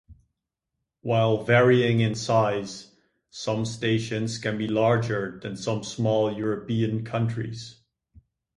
While varying in size, some stations can be larger than some small European countries.